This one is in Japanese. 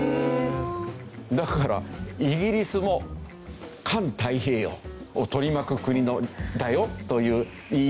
だからイギリスも環太平洋を取り巻く国だよという言い方ができなくもないと。